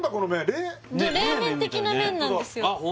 冷冷麺的な麺なんですよあっ